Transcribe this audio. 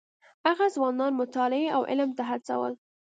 هغه ځوانان مطالعې او علم ته هڅول.